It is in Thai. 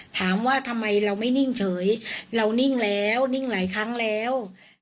ถามว่าทำไมเราไม่นิ่งเฉยเรานิ่งแล้วนิ่งหลายครั้งแล้ว